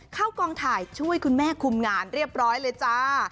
เข้ากองถ่ายช่วยคุณแม่คุมงานเรียบร้อยเลยจ้า